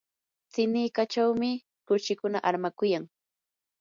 siniqachawmi kuchikuna armakuyan.